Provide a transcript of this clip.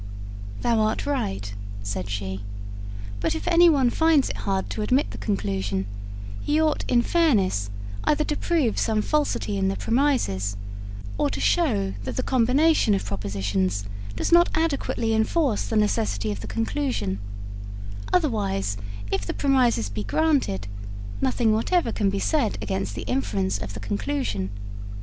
'Thou art right,' said she; 'but if anyone finds it hard to admit the conclusion, he ought in fairness either to prove some falsity in the premises, or to show that the combination of propositions does not adequately enforce the necessity of the conclusion; otherwise, if the premises be granted, nothing whatever can be said against the inference of the conclusion.